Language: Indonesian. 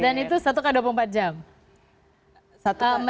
dan itu satu x dua puluh empat jam